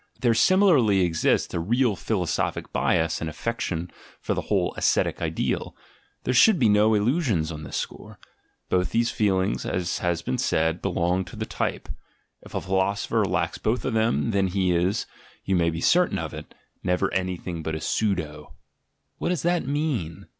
There similarly exists a real philosophic bias and affection for the whole ascetic ideal; there should be no illusions on this score. Both these feelings, as has been said, belong to the type; if a philosopher lacks both of them, then he is — you may be certain of it — never any thing but a "pseudo." What does this mean?